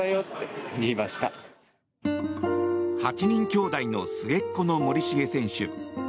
８人きょうだいの末っ子の森重選手。